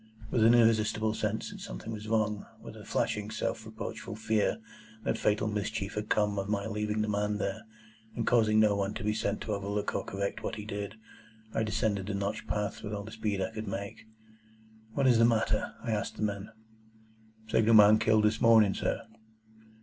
With an irresistible sense that something was wrong,—with a flashing self reproachful fear that fatal mischief had come of my leaving the man there, and causing no one to be sent to overlook or correct what he did,—I descended the notched path with all the speed I could make. "What is the matter?" I asked the men. "Signal man killed this morning, sir."